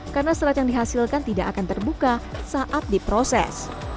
karena serat yang dihasilkan tidak akan terbuka saat diproses